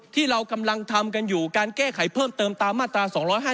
ที่เรากำลังทำกันอยู่การแก้ไขเพิ่มเติมตามมาตรา๒๕๖